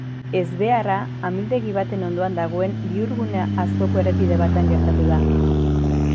Ezbeharra amildegi baten ondoan dagoen bihurgune askoko errepide batean gertatu da.